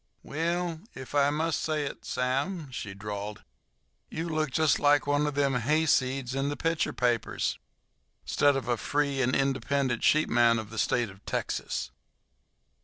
"Well, ef I must say it, Sam," she drawled, "you look jest like one of them hayseeds in the picture papers, 'stead of a free and independent sheepman of the State o' Texas."